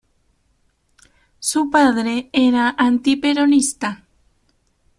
Su padre era antiperonista.